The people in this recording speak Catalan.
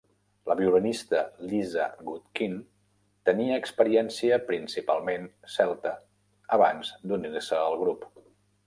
La violinista Lisa Gutkin tenia experiència principalment celta abans d'unir-se al grup.